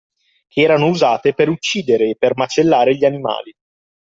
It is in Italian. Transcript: Che erano usate per uccidere e per macellare gli animali.